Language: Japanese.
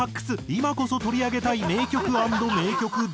今こそ取り上げたい名曲＆迷曲第２弾。